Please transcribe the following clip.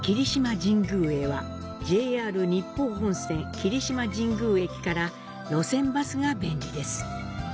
ＪＲ日豊本線霧島神宮駅から路線バスが便利です。